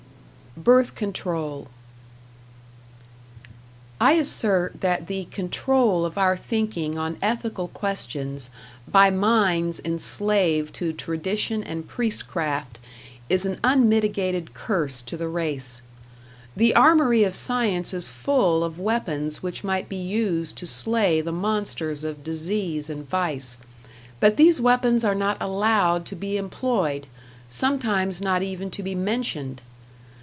#Birth Control# I assert that the control of our thinking on ethical questions by minds enslaved to tradition and priestcraft is an unmitigated curse to the race. The armory of science is full of weapons which might be used to slay the monsters of disease and vice but these weapons are not allowed to be employed, sometimes not even to be mentioned.